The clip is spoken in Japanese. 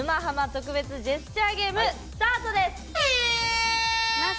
特別ジェスチャーゲームスタートです！